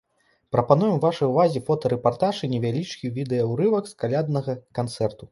Прапануем вашай увазе фотарэпартаж і невялічкі відэа-ўрывак з каляднага канцэрту.